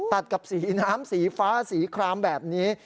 ตัดกับสีน้ำสีฟ้าสีครามแบบนี้